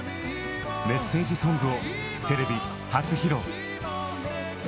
メッセージソングをテレビ初披露！